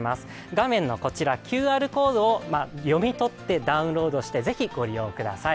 画面のこちらＱＲコードを読み取ってダウンロードしてぜひご利用ください。